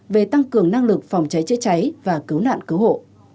về tăng cường năng lực phòng cháy chữa cháy và cứu nạn cứu hộ